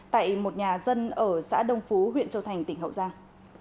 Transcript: tại một nhà dân ở xã đông phú huyện châu thành tỉnh hậu giang